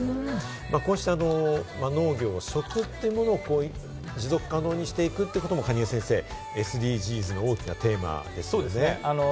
こうした農業、持続可能にしていくということも蟹江生先生、ＳＤＧｓの大きなテーマですよね。